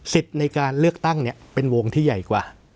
ในการเลือกตั้งเนี่ยเป็นวงที่ใหญ่กว่า